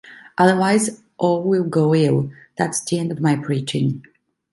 Otherwise, all will go ill. That's the end of my preaching.